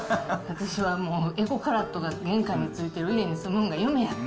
私はもう、エコカラットが玄関についてる家に住むのが夢やった。